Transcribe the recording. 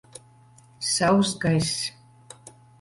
Sauss gaiss.